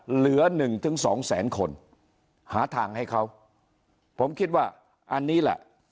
เหลือหนึ่งถึงสองแสนคนหาทางให้เขาผมคิดว่าอันนี้แหละ